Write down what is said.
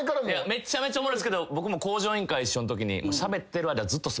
めちゃめちゃおもろいけど僕も『向上委員会』一緒のときに。